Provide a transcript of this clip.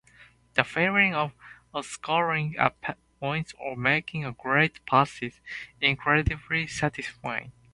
The feeling of scoring a point or making a great pass is incredibly satisfying.